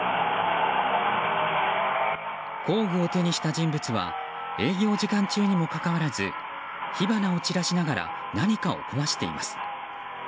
工具を手にした人物は営業時間中にもかかわらず火花を散らしながら何かを燃やしています。